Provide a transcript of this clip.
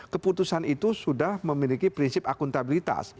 keputusan itu sudah memiliki prinsip akuntabilitas